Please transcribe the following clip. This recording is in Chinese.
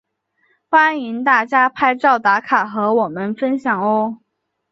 欢迎大家拍照打卡和我们分享喔！